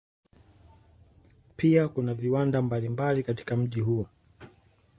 Pia kuna viwanda mbalimbali katika mji huo.